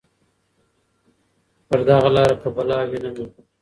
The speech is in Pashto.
پر دغه لاره كه بلا ويـنمه